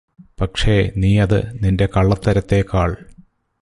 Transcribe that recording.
പക്ഷേ നീയത് നിന്റെ കള്ളത്തരത്തേക്കാള്